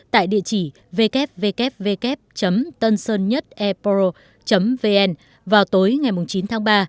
tại địa chỉ www tânsơn một eporo vn vào tối ngày chín tháng ba